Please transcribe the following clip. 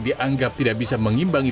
dianggap tidak bisa mengimbangi